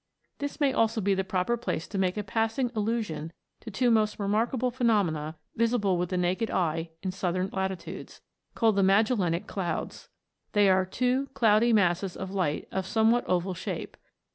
This may also be the proper place to make a passing allusion to two most remarkable phenomena visible with the naked eye in southern latitudes, called the Magellanic Clouds. They are " two cloudy masses of light of a somewhat oval shape.